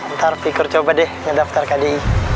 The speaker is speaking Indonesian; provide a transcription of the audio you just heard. ntar figur coba deh ngedaftar kdi